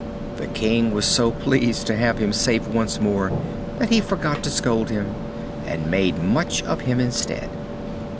The King was so pleased to have him safe once more that he forgot to scold him, and made much of him instead.